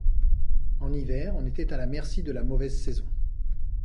En hiver, on était à la merci de la mauvaise saison.